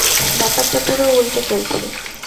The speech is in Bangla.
ব্যাপারটা পুরো উল্টে ফেলছি।